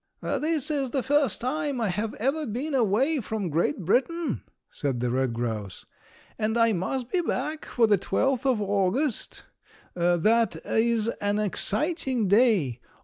"This is the first time I have ever been away from Great Britain," said the red grouse, "and I must be back for the 12th of August. That is an exciting day!